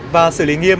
và xử lý nghiêm